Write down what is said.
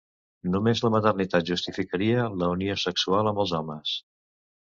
Només la maternitat justificaria la unió sexual amb els homes.